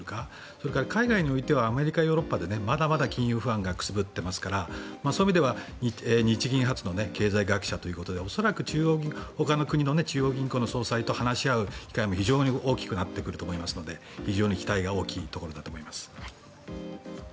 それから海外においてはアメリカ、ヨーロッパでまだまだ金融不安がくすぶっていますからそういう意味では日銀初の経済学者ということで恐らくほかの国の中央銀行の総裁と話し合う機会も非常に大きくなってくると思うので非常に期待が大きいところだと思います。